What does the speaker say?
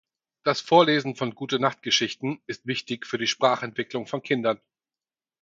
Das Vorlesen von Gute-Nacht-Geschichten ist wichtig für die Sprachentwicklung von Kindern.